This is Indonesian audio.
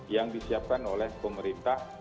yang disiapkan oleh pemerintah